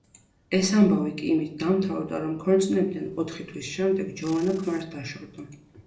ეს ამბავი კი იმით დამთავრდა, რომ ქორწინებიდან ოთხი თვის შემდეგ ჯოვანა ქმარს დაშორდა.